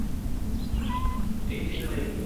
এই তো সেই মানিকজোড়।